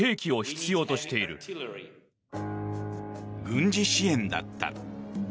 軍事支援だった。